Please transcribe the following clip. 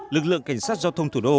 lực lượng cảnh sát giao thông thủ đô